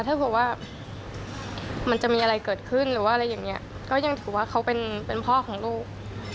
ถ้าเผื่อว่ามันจะมีอะไรเกิดขึ้นหรือว่าอะไรอย่างนี้ก็ยังถือว่าเขาเป็นพ่อของลูก